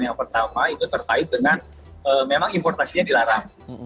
yang pertama itu terkait dengan memang importasinya dilarang